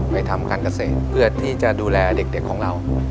ทำการเกษตรเพื่อที่จะดูแลเด็กของเรา